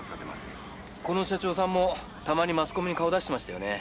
この社長さんもたまにマスコミに顔出してましたよね。